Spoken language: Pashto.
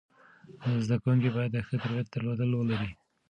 زده کوونکي باید د ښه تربیت درلودل ولري.